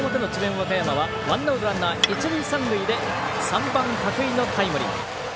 和歌山はワンアウトランナー、一塁、三塁で３番、角井のタイムリー。